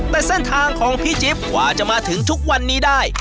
แต่เส้นทางของพี่จิ๊บกว่าจะมาถึงทุกวันนี้ได้